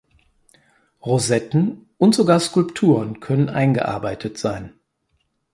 Rosetten und sogar Skulpturen können eingearbeitet sein.